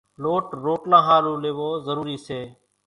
لوٽ روٽلان ۿارُو ليوو ضروري سي۔